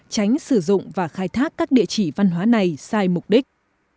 tránh sử dụng và khai thác các địa chỉ văn hóa này sai mục đích